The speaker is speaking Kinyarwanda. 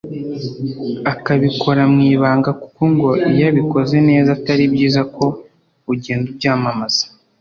akabikora mu ibanga kuko ngo iyo ukoze neza atari byiza ko ugenda ubyamamaza